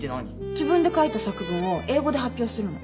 自分で書いた作文を英語で発表するの。